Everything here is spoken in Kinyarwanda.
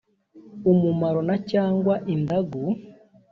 umumaro n cyangwa indagu